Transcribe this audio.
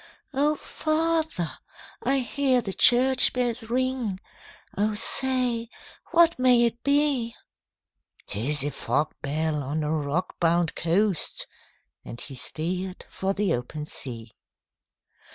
'O father! I hear the church bells ring, O say, what may it be?' ''Tis a fog bell, on a rock bound coast!' And he steer'd for the open sea.